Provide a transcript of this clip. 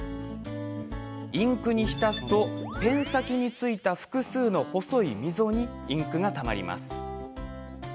インクに浸すとペン先についた複数の細い溝にインクがたまります。